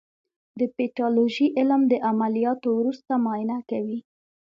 د پیتالوژي علم د عملیاتو وروسته معاینه کوي.